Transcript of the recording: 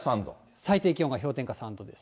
最低気温がマイナス３度です。